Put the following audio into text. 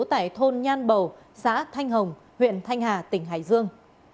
tại thôn nhan bầu xã thanh hồng huyện thanh hà tỉnh hải dương